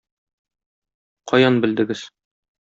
Каян белдегез?